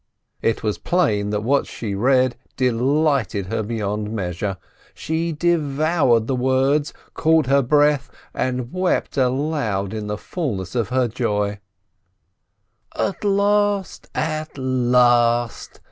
It was plain that what she read delighted her beyond measure, she devoured the words, caught her breath, and wept aloud in the fulness of her joy. "At last, at last